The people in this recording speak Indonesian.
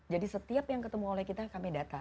jadi setiap yang ketemu oleh kita kami data